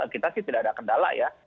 kita sih tidak ada kendala ya